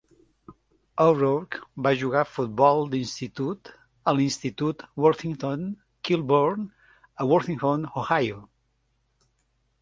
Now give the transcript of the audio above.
O'Rourke va jugar a futbol d'institut a l'Institut Worthington Kilbourne a Worthington, Ohio.